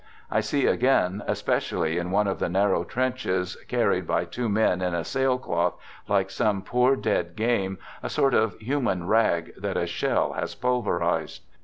I see again, especially, in one of the narrow trenches, carried by two men in a sail cloth, like some poor dead game, a sort of human rag, that a shell has pulverized.